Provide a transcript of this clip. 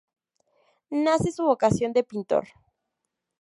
Nace su vocación de pintor.